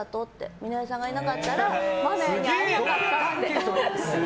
美奈代さんがいなかったら愛弥に会えなかったって。